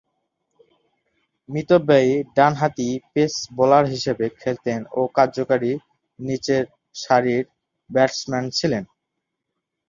মিতব্যয়ী ডানহাতি pace bowler হিসেবে খেলতেন ও কার্যকরী নিচেরসারির ব্যাটসম্যান ছিলেন।